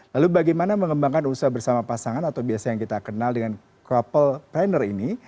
lalu bagaimana mengembangkan usaha bersama pasangan atau biasa yang kita kenal dengan couple planner ini